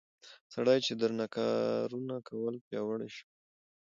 سړي چې درانه کارونه کول پياوړى شو